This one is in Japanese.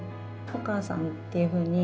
「お母さん」っていうふうに。